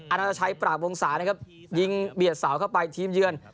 นานาชัยปราบวงศานะครับยิงเบียดเสาเข้าไปทีมเยือน